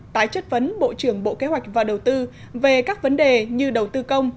tái chất vấn bộ trưởng bộ kế hoạch và đầu tư về các vấn đề như đầu tư công